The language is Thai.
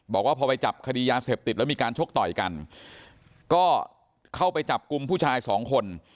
บอกว่าพอไปจับคดียาเสพติดแล้วมีการชกต่อยกันก็เข้าไปจับกลุ่มผู้ชายสองคน